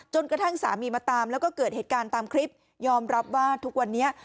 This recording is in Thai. กระทั่งสามีมาตามแล้วก็เกิดเหตุการณ์ตามคลิปยอมรับว่าทุกวันนี้